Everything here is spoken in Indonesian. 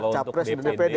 kalau untuk dpd